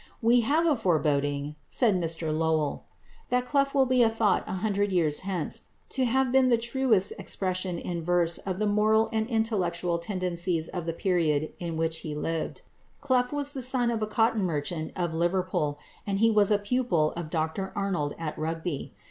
"We have a foreboding," said Mr Lowell, "that Clough will be thought a hundred years hence, to have been the truest expression in verse of the moral and intellectual tendencies of the period in which he lived." Clough was the son of a cotton merchant of Liverpool, and he was a pupil of Dr Arnold at Rugby.